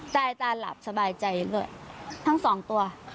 ตายตาหลับสบายใจด้วยทั้งสองตัว